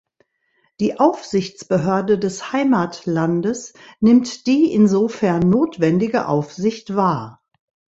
Die Aufsichtsbehörde des Heimatlandes nimmt die insofern notwendige Aufsicht wahr.